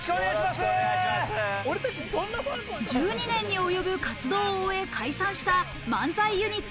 １２年に及ぶ活動を解散した、漫才ユニット